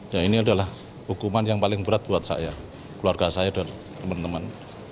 ya ini adalah hukuman yang paling berat buat saya keluarga saya dan teman teman